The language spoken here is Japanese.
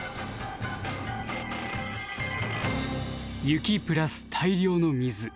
雪プラス大量の水